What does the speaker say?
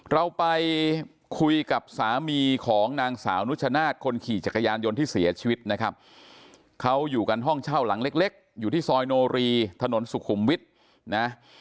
เราไปคุยกับสามีของนางสาวนุชนาธิ์คนขี่จักรยานยนต์ที่เสียชีวิตนะครับเขาอยู่กันห้องเช่าหลังเล็กอยู่ที่ซอยโนรีถนนสุขุมวิทย์นะ